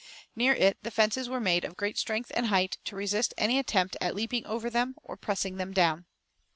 Near it the fences were made of great strength and height, to resist any attempt at leaping over them, or pressing them down.